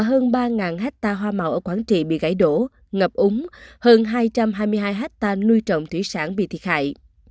một hecta hoa màu ở quảng trị bị gãy đổ ngập úng hơn hai trăm hai mươi hai hecta nuôi trồng thủy sản bị thiệt hại